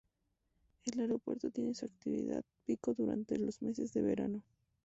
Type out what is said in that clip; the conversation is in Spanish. El aeropuerto tiene su actividad pico durante los meses de verano.